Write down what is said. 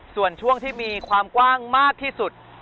ส่วนช่วงที่มีความกว้างมากที่สุด